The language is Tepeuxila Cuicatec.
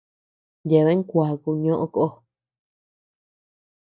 Yeabean kuaku ñoʼo kó.